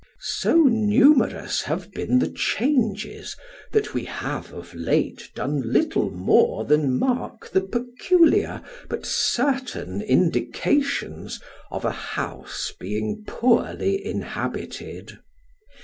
So numerous have been the changes, that we have of late xlone little more than mark the peculiar but certain indications of a house being poorly inhabited.